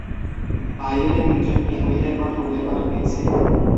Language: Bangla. বাইবেলে তিনজন কেমুয়েলের কথা উল্লেখ করা হয়েছে।